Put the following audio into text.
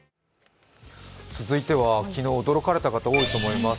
続いては、昨日、驚かれた方も多いと思います。